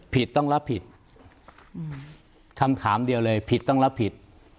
ต้องรับผิดคำถามเดียวเลยผิดต้องรับผิด